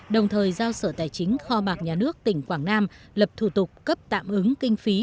đồng thời giao sở tài chính kho mạc nhà nước tỉnh quảng nam lập thủ tục cấp tạm ứng kinh phí